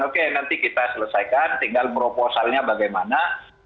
oke nanti kita selesaikan tinggal merupakan soalnya bagaimana